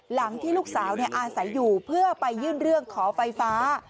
หลังที่ลูกสาวอาศัยอยู่เพื่อไปยื่นเรื่องขอไฟฟ้า